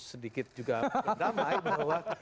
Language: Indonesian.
sedikit juga damai bahwa